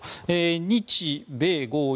日米豪印